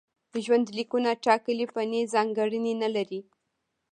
ژوندلیکونه ټاکلې فني ځانګړنې نه لري.